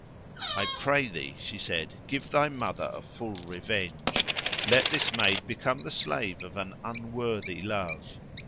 "I pray thee," she said, "give thy mother a full revenge. Let this maid become the slave of an unworthy love."